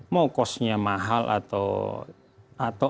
mau kosnya mahal atau